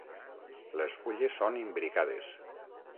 Les fulles són imbricades.